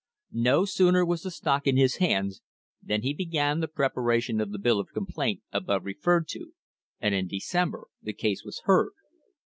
No sooner was the stock in his hands than he began the preparation of the bill of complaint above re ferred to, and in December the case was heard.